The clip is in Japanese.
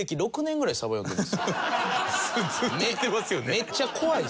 めっちゃ怖いっす。